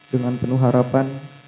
dengan penuh harapan